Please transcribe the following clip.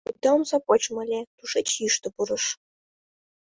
Вӱта омса почмо ыле, тушеч йӱштӧ пурыш.